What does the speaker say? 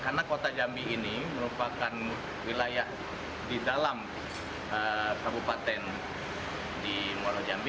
karena kota jambi ini merupakan wilayah di dalam kabupaten di muala jambi